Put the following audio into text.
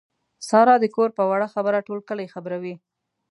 ساره د کور په وړه خبره ټول کلی خبروي.